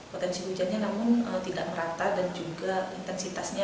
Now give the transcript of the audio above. potensi hujannya namun tidak merata dan juga intensitasnya